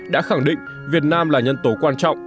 đã khẳng định việt nam là nhân tố quan trọng